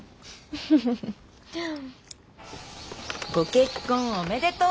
ご結婚おめでとう！